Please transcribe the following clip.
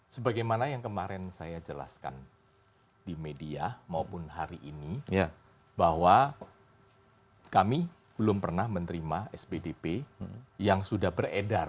sebagaimana yang kemarin saya jelaskan di media maupun hari ini bahwa kami belum pernah menerima spdp yang sudah beredar